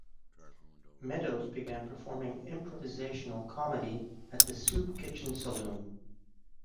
Meadows began performing improvisational comedy at the Soup Kitchen Saloon.